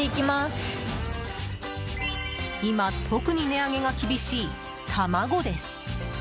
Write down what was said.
今、特に値上げが厳しい卵です。